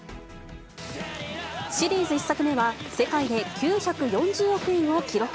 シリーズ１作目は、世界で９４０億円を記録。